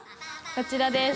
こちらです。